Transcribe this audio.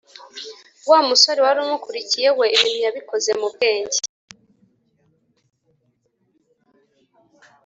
wamusore warumukurikiye we ibintu yabikoze mubwenge